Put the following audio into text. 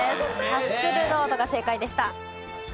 キャッスルロードが正解でした。